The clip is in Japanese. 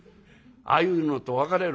ああいうのとは別れろ」。